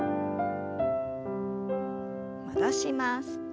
戻します。